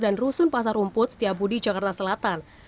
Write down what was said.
dan rusun pasar rumput setiabudi jakarta selatan